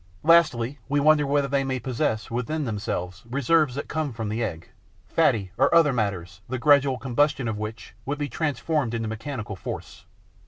Lastly, we wonder whether they may possess within themselves reserves that come from the egg, fatty or other matters the gradual combustion of which would be transformed into mechanical force.